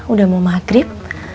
udah mau maghrib